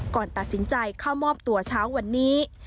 ก่อนตัดสินใจเข้ามอบตัวเช้าวันนี้